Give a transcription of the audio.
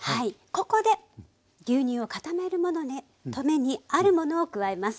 ここで牛乳を固めるためにあるものを加えます。